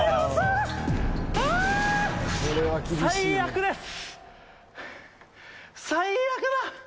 最悪です！